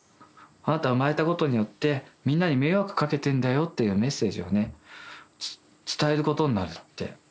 あなた生まれたことによってみんなに迷惑かけてんだよ」っていうメッセージをね伝えることになるって。